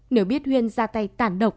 nếu biết huyền ra tay tàn độc